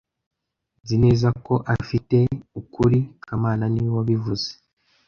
Nzi neza ko afite ukuri kamana niwe wabivuze